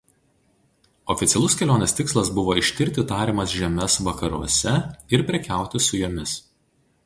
Oficialus kelionės tikslas buvo ištirti tariamas žemes vakaruose ir prekiauti su jomis.